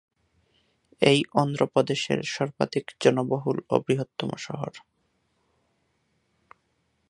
এটি অন্ধ্রপ্রদেশের সর্বাধিক জনবহুল ও বৃহত্তম শহর।